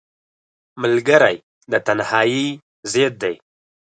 ملګری د تنهایۍ ضد دی